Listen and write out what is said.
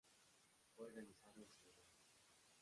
Fue organizado en Senegal.